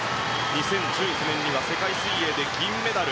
２０１９年には世界水泳で銀メダル。